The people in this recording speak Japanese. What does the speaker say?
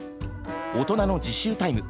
大人の自習タイム